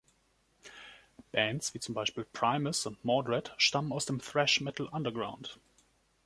Bands, wie z. B. Primus und Mordred, stammen aus dem Thrash Metal Underground.